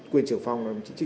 quyền trưởng phòng